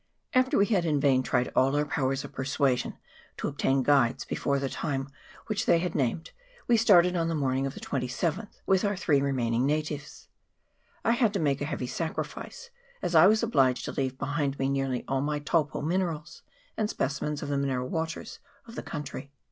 After we had in vain tried all our powers of persuasion to obtain guides before the time which they had named, we started on the morn ing of the 27th with our three remaining natives. I had to make a heavy sacrifice, as I was obliged to leave behind me nearly all my Taupo minerals, and specimens of the mineral waters of the country.